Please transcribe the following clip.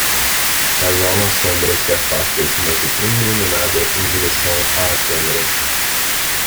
Casal na sombra se afasta de uma vitrine iluminada em direção à câmera